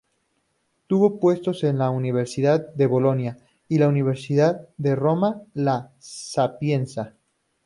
Tuvo puestos en la Universidad de Bolonia y la Universidad de Roma La Sapienza.